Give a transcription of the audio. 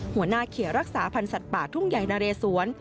หัวหน้าเขตรักษาพันธ์สัตว์ป่าทุ่งใหญ่นะเรสวน